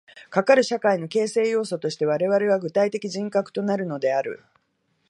かかる社会の形成要素として我々は具体的人格となるのである。